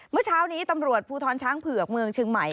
เมื่อเช้านี้ตำรวจภูทรช้างเผือกเมืองเชียงใหม่